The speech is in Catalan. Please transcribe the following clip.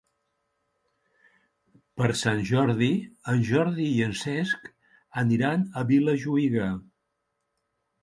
Per Sant Jordi en Jordi i en Cesc aniran a Vilajuïga.